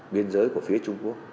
biên giới của phía trung quốc